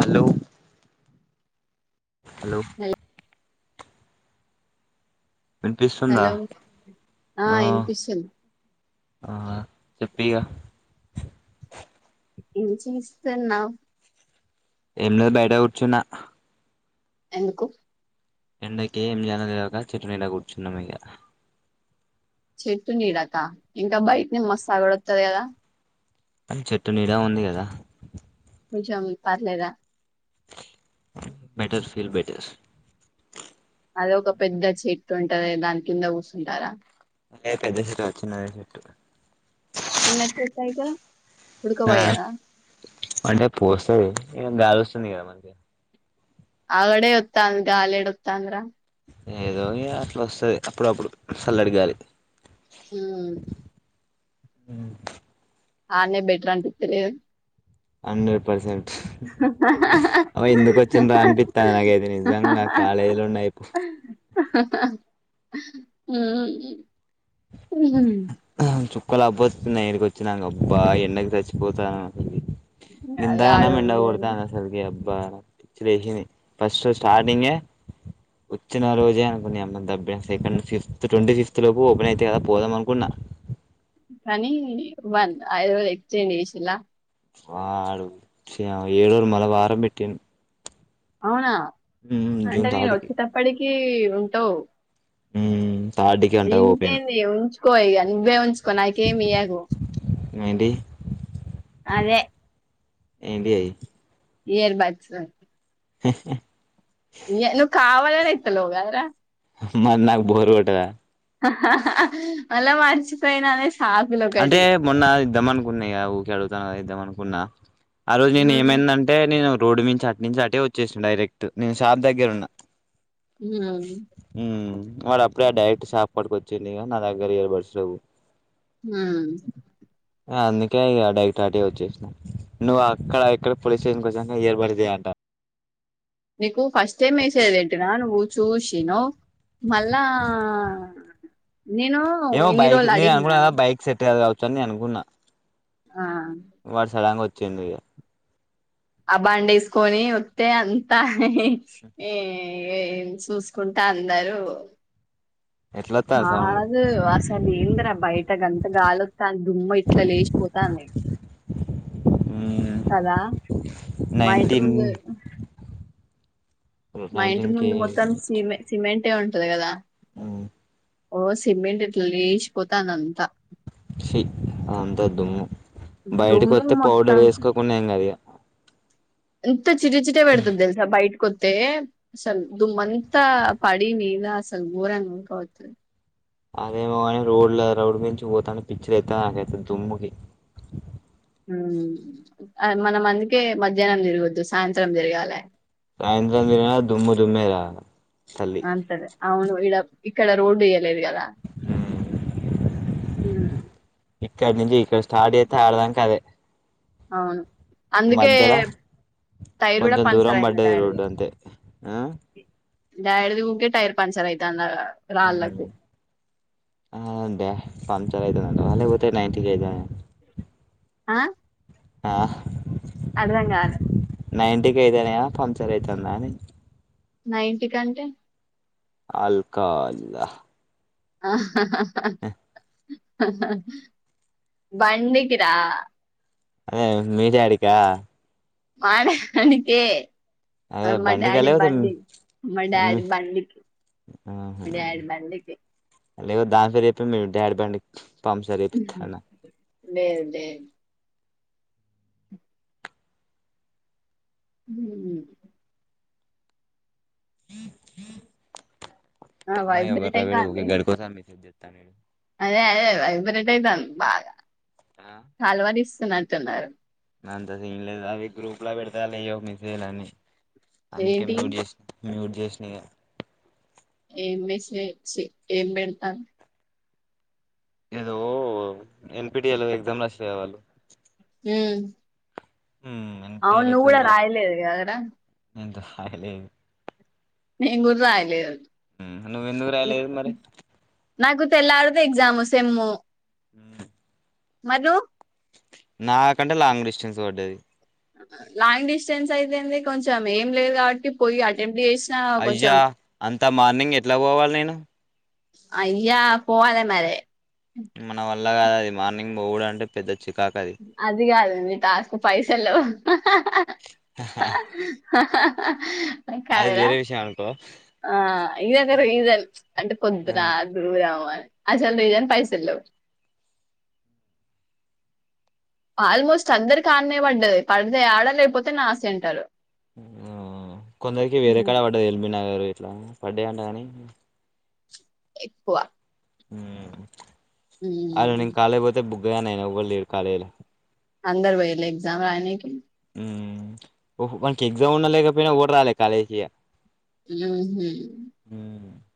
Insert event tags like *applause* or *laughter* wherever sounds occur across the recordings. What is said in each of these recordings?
Hello hello వినిపిస్తుందా hello ఆ ఇన్పిస్తుంది ఆ చెప్పిగా? ఏం చేస్తున్నావు? ఎంలేద్ బయట కూర్చునా. ఎందుకు? ఎండకి ఏమి చేయాలో తెల్వక చెట్టు నీడకు కూర్చున్నమ్ ఈడ. చెట్టు నీడక? ఇంక బయట్నే మస్త్ అగడోత్ త్తది గదా కన్ చెట్టు నీడ ఉంది కదా? కొంచెం పర్లేద? Better feel better. అదే ఒక పెద్ద చెట్టుంటది, దాని కింద కూసుంటరా? అంటే పెద్ద చెట్టు కాదు, చిన్నదే చెట్టు. చిన్న చెట్టు అయితే, ఆ ఉడుకపోయద? అంటే పోస్తది ఇగ గాలొస్తుంది కదా మంచిగ. ఆల్రెడీ ఒత్తాంది గాలెడ ఒత్తాందిర? ఏదో ఇగ అట్లోస్తది అప్పుడప్పుడు సల్లడి గాలి. ఉమ్ ఉమ్ ఆన్నే బెటర్ అన్పిత్తది గద? Hundred percent. అబ ఎందుకు వచ్చిన్రా అనిపిత్తాంది నాకైతే నిజంగా కాలేజీలో ఉన్న అయిపో. ఉమ్ *unintelligible* కుక్కలా బొర్రుతాన ఈడికొచ్చినంక అబ్బా ఎండకి చచ్చిపోతాన. అదే ఆడ గింతగనం ఎండ ఉండేది కొడుతాంది అసల్కిడా బ్బా నాక్ పిచ్చిలేసింది, ఫస్ట్ స్టార్టింగే ఒచ్చిన రోజే అనుకున్న నీయమ్మ దొబ్బెస్త ఇక్కడనుంచి ఫిఫ్త్ ట్వంటీ ఫిఫ్త్ లోపు ఓపెన్ అయితయి కదా అప్ పోదమనుకున్నా. కనీ, వన్ ఐదురోజులు ఎక్చేంజ్ చేసిల్ల? వాడు చి అమ్మ ఏడూరు మల వారం పెట్టిండు. అవునా అంటే జూన్ థర్డ్ కి నీనొచ్చే తప్పడికి ఈ ఉంటావు. హు ఇంకేంది ఉంచుకో ఈ కానీ నువ్వే ఉంచుకో నాకేం ఇయ్యకు *unintelligible* టీ అదే ఏంటిది అది ఇయర్ బడ్స్ *inaudible* ఈ నువ్వు కావాల చేస్తున్నావ్ కదరా మల్ల నాకు బోర్ కొట్టదా మల్ల మార్చిపోయిన అంటే మొన్న ఇద్దాం అనుకున్నా ఇగ ఊక అడుగుతాను ఇద్దాం అనుకున్నా ఆ రోజు నేను ఉమ్, ఏమైందంటే నేను రోడ్డు నుంచి అట్ నుంచి అటే వచ్చే డైరెక్ట్ నేను షాప్ దగ్గర ఉన్న ఉమ్, హు వాడు అప్పుడే డైరెక్ట్ షాప్ కో వచ్చిండు ఇగ నా దగ్గరా ఇయర్ బర్డ్స్ లేవు ఊ అందుకే ఇగ డైరెక్ట్ అటికే వచ్చేసాన నువ్వు అక్కడ ఇక్కడ పోలీస్ స్టేషన్ కొచ్చినంక ఇయర్ బర్డ్స్ తా అంట మీకు ఫస్ట్ టైం వేసేది ఏంటీనా నువ్వు చూసినవ్ మళ్ళా నేను ఏమో ఇన్ని బైక్ రోజులు నేను అడిగినాను అనుకున్నానా బైక్ సెట్ కాదు *unintelligible* అనుకున్నా ఆ, వాడు సడన్ గా వచ్చి వచ్చిండు ఇగ ఆ బండి వేసుకొని వత్తే అంతా చూసుకుంటా అందరూ ఎట్లా వత్తాంది సౌండ్ కాదు అసలు ఏంది రా బైక్ గంత గాలి ఆ దుమ్ము ఇట్లా లేచిపోతాంది ఉమ్ కదా మా ఇంటి నైన్టీన్ ముందు మా ఇంటి నైన్టీన్ కే ముందు మొత్తం సిమె సిమెంట్ అ ఉంటది కదా హు ఓ సిమెంట్ ఆట్లా లేసి పోతా వుంది అంతా అంత దుమ్ము బయటకి దుమ్ము వస్తే మొత్తం పౌడర్ వేసుకోకుండా ఏం కదిగా అంత చిటిచిట బడతది తెల్సా బయటకు వత్తే అసలు దుమ్మంతా పడింది అసలు ఘోరంగా ఉడక బెడతాంది. అదేమో గని రోడ్ల రోడ్డు మీద నుంచి పోతంటే పిచ్చి లేస్తాంది నాకైతే దుమ్ముకి. హ్మ్ మనం అందుకే మధ్యాహ్నం తిరగొద్దు సాయంత్రం తిరగాలె సాయంత్రం తిరిగిన దుమ్ము దుమ్మే రా ఆన్సరే అవును ఇడ ఇక్కడ రోడ్డు వేయలేదు కదా రా మ్ ఇక్కడ్ నుంచి ఇక స్టార్ట్ చేస్తే ఆడిదాక అదే అవును అందుకే మధ్యల టైర్ కూడా కొంచెం దూరం పంచర్ అయింది పడ్డది డాడీది రోడ్డు అంతే ఆ డాడీది ఊకే టైర్ పంక్చర్ అయితాంద ఆ డా పంక్చర్ అయితదంటవ ఆలేపోతే నైంటికి అయితయా ఆ ఆ అర్థం కాలే నైన్టీకి అయితేనేమో పంక్చర్ అయితందా అని నైంటి కంటే ఆల్కహాల్ ఆహ్ అహహహ ఆహా బండికిరా అదే మీ డాడీకా మా డాడీకే అదే అవును మా బండికా డాడీ లేకపోతే బండి మా మమ్మీ డాడీ బండికి మా డాడీ బండికి లేకపోతే దాని పేర్ చెప్పి మీ డాడీ బండి పంక్చర్ చేపిత్తాన్నా లేదు లేదు మ్ ఆ మాయ్య వైబ్రేట్ ఎవడ్రా ఊకె అయితాంది గడికోసారి మెస్సేజ్ చేస్త తమిళ్ అదే అదే వైబ్రేట్ అయితాంది బాగా వీడు కల్వరిస్ ఉన్నట్టున్నారు. అంత సీన్ లేద్ అవి గ్రూప్ల పెడతాన్లు ఏయే మెసేజ్ అన్ని అందుకే ఏంటి మ్యూట్ చేస్ మ్యూట్ చేసిన ఇగ ఎమ్ మెసె ఏం పెడ్తారు ఏదో ఎన్పిటిఏలో ఎగ్జామ్ రాసిన్రు కదా వాళ్ళు మ్ ఉమ్ అవున ఎన్పిటిఎల్ నువు గూడా రాయలేద కాడ ఎంత హయలేవ్ మీమ్ గూడా రాయలేదు అది నువ్వెందుకు ఎస్ రాయలేదు మరి నాకు తెల్లరితే ఎగ్జాము సెము ఉ మధు నాకంటే లాంగ్ డిస్టెన్స్ పడ్డది లాంగ్ డిస్టెన్స్ అయితేంది కొంచం ఏం లేదు కాబట్టి పోయి అటెంప్ట్ చేసినా అయ్య కొంచెం అంతా మార్నింగ్ ఎట్లా పోవాలి నేను అయ్యా పోవాలే మరే మన వల్ల గాదది మార్నింగ్ బోవుడంటే పెద్ద అది గాదండి తస్కు పైసల ఆ అది కాదురా వేరే విషయం అనుకో ఆ ఇది ఒక రీజన్ అంటే ఆ కొద్దురా దురురాముని అసలు రీజన్ పైసల్లేవ్ ఆల్మోస్ట్ అందరికి ఆన్నే పడ్డది పడ్తే ఆడ లేకపోతే నాసెంటర్ ఉ కొందరికి వేరే కడ పడ్డది ఇల్ మీ నా రు ఇట్లా పడ్డా అంట కానీ ఎక్కువ ఉ అ హ్మ్ నిం కా పోతే బు అననా వళ్ళీ కాాలలు అందరు పోయలే ఎగ్జామ్ రానీనికి ఉ ఒక పంచెయ్ ఎగ్జామ్ ఉన్నా లేకపోయినా ఎవుర్రాలే కాలేజీ కి ఉఉ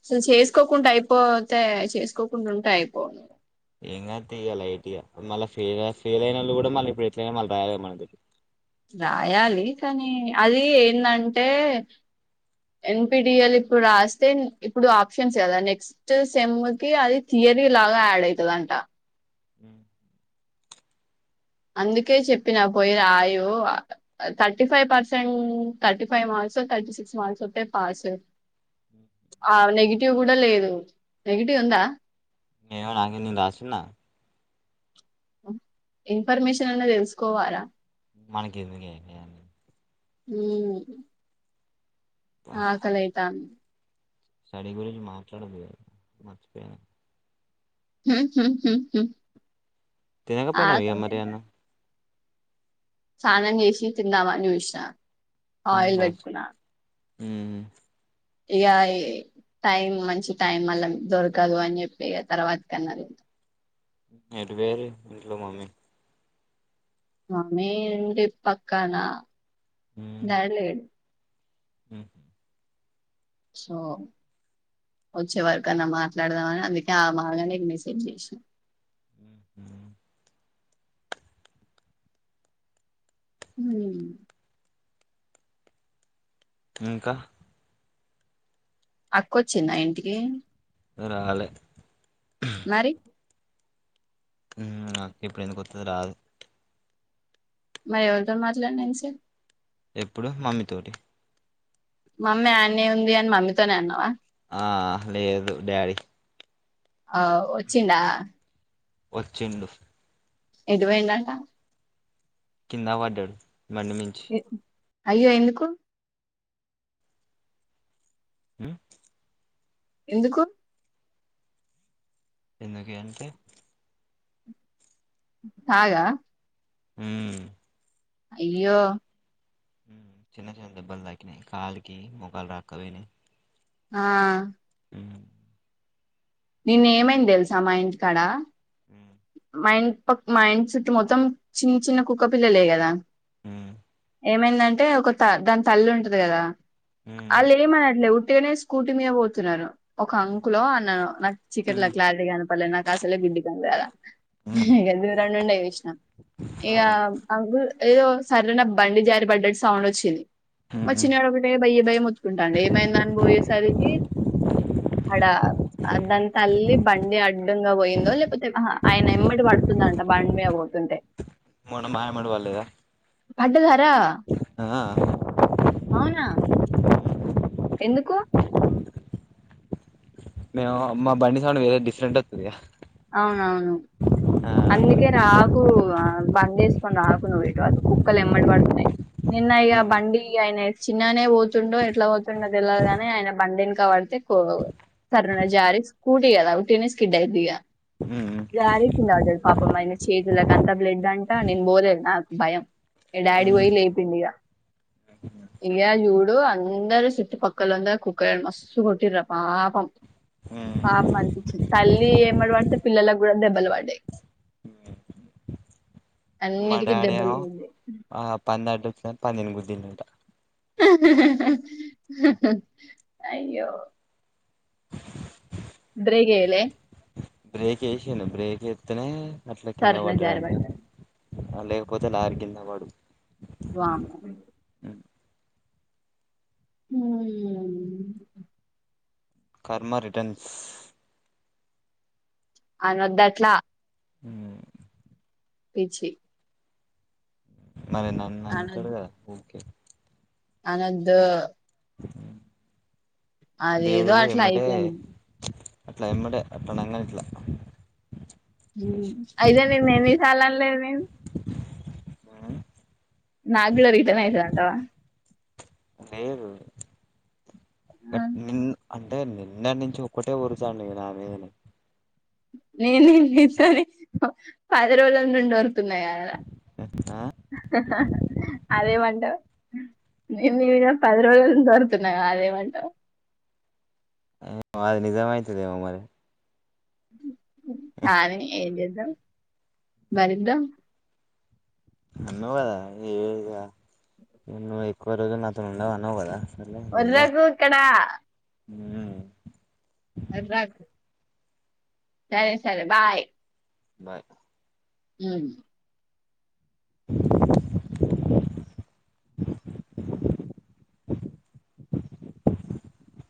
అసలు చేసుకోకుండా అయిపోతే చేసుకోకుండా ఉంటే అయిపోం ఏం గాతీ ఇగ లైట్ మళ్ళీ ఫ ఫెల్ అయిన వాళ్ు కూడా మళ్ళీ ఇప్పుడు ఎట్లయినా మళ్ళీ రాయాలి మన రాయాలి కానీ అది ఏందంటే ఎన్పిటిఎల్ ఇప్పుడు రాస్తే ఇప్పుడు ఆప్షన్స్ కదా నెక్స్ట్ సెమ్కిి అది థియరీ లాగా యాడ్ అవుతుందంట అ అందుకే చెప్పినా పోయి రాయు thirty five percent thirty five marks thirty six marks ఉంటే పాస్ ఆ నెగిటి టివ్ గూడా లేదు నెగిటివ్ ఉందా ఏమొ నాకే నే రాసున్న ఇన్ఫర్మేషన్ అన్నా తెలుసుకోవాలా మనకి ఎందుకియన్నీ ఉ ఆ ఆ కలి అయితాంది సరిపోయింది మాట్లాడకూడదు మర్చిపోయిన హ్ హ్ హ్ తినకపోయినావ ఇగ మరి అన్నం స్తానం చేసి తిందామని చూసిన ఆయిల్ పెట్టుకున ఊ ఇక ఈ టైం మంచి టైం మళ్ల దొరకదు అని చెప్పి ఇక తర్వాత కన్నారు. ఎటు పోయిరి ఇంట్లో మమ్మీ మమ్మీ ఇంటి పక్కన డాడీ లేడ్ హు సో వచ్చే వరకన్నా మాట్లాడదామని అందుకే ఆ మాగానే మెసేజ్ చేసిన ఉహు హుమ్ ఇంకా అక్క వచ్చింద ఇంటికి రాలే మరి ఇం డా ఇప్పుడు ఎందుకు ఒత్తది రాదు మరి ఎవరితో మాట్లాడినవు ఇంత సేఫ్ ఎప్పుడు మమ్మీతోటి మమ్మీ ఆన్నే ఉంది అని మమ్మీతోనే అన్నావా ఆ లేదు డాడీ ఆ వచ్చింద వచ్చిండు ఎటుపోయిండంట కింద పడ్ బండిమించ్ ఎ అయ్యో ఎందుకు ఉ ఎందుకు ఎందుకె అంటే ఆగా ఊమ్ అయ్యో హ చిన్న చిన్న దెబ్బలు తాకిినాయి కాలికి మోకాలు దాకపోయినై ఆ నిన్న ఏమైంది తెలుసా మా ఇంటికాడ మ ఇంటి పక్ మా ఇంటి చుట్టూ మొత్తం చిన్న చిన్న కుక్క పిల్లలే కదా ఊ ఏమైందంటే ఒక దాని తల్లి ఉంటది కదా మ్మ్ అల్ ఏమన్నట్లే ఉ అంటేనే స్కూటీ మీద పోతున్రు ఒక అంకులో అన్ నాకు చీకట్లో క్లారిటీ కనపలే నాకు అసలే గుడ్డి కళ్లు కదా. మ్మ్ దూరం నుండే చూసిన ఏదో సర్రున బండి జారి పడ్డట్ సౌండ్ వచ్చింది మ చిన్నోడు ఒకటే బయ్య బయ్య మొత్తుకుంటండు ఏమైందని పోయేసరికి అడ అదంతల్లి బండి అడ్డంగా పోయిందో లేకపోతే ఆహా ఆయన ఎమ్మటి పడుతుందంట బండి మీద పోతుంటే మొన్న మాయమ్మడి పడలేదా పడ్డదారా ఆ అవునా ఎందుకు మేము బండి సౌండ్ వేరే డిఫరెంట్ ఒత్తుందిగ అవునవును అందుకే రాకు బండి ఏసుకొని రాకు నువ్వుఇటువైపు కుక్కలు ఎమ్మడి పడుతున్నాయి నిన్న ఇగ మ్మ్ బండి ఆయన చిన్ననే పోతుండో ఎట్లా పోతుండో తెల్వదు గాని ఆయన బండేనక బడితే సర్రున జారి స్కూటీ కదా ఉట్టిగానే స్కిడ్ అయింది ఇగ మ్మ్ జారి కిందవడ్డడు పాపం ఆయన చేతులకంత బ్లడ్ అంటా నేను పోలే నాకు భయం ఇగ డాడీ మ్మ్ పోయి లేపిండు ఇగ చూడు అందరు చుట్పక్కలందరు కుక్కలను మస్తు కోటిన్రు ర పాపం మ్మ్ పాపం అనిపించింది తల్లి ఏమడివ పిల్లలాకు కూడా దెబ్బలు వడ్డయి మా అన్నిటికిీ దెబ్బలు తింది తే పందిని గుద్దిండంట అయ్యో బ్రేక్ ఏయ్యలే బ్రేక్ ఏసిండు బ్రేక్ ఎత్తనే అట్లా కింద సరున పడ్డాడంట జారిపడ్డాను లేకపోతే లారీ కింద వడుదు వామ్మో హ్మ్మ్ కర్మ రిటర్న్స్ అనొద్దు అట్లా హు పిచ్చి మరి నన్ను అంటడు అనొద్దు కదా అందుకే అనొద్దు అదేదో అట్లా అయిపోయింది ఇట్ల ఎంబట్టే అట్లా అనంగనే ఇట్ల అయితే నేను ఏన్ని సార్లా అనలేదు నిన్ను అ నాక్కూడా రిటర్న్ అయితది అంటవా లేదు బట్ నిన్ అంటే నిన్న నుంచి ఒక్కటే ఓర్రుతండు నా మీదనే నేను నిన్ను ఈ సారి పది రోజుల నుండి ఓరుతు తున్న గద అదేమంటావ్ నేను నీ మీద పది రోజులు నుంచి ఓరుతున్నగా అదేమంటవ్ అది నిజామాయితది ఏమో మరి మ్హ్ సారే ఏంజె బరిద్దాం అన్నవాదా ఏద *unintelligible* క్కువ రోజు నా తోను ఉండవు అన్నావు కదా ఒర్రకు ఇక్కడ మ్ అర్రాకు సరే సరే బాయ్ బాయ్ ఉం *inaudible*